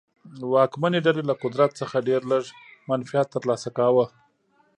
واکمنې ډلې له قدرت څخه ډېر لږ منفعت ترلاسه کاوه.